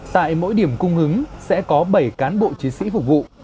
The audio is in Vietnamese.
tại mỗi điểm cung ứng sẽ có bảy cán bộ chiến sĩ phục vụ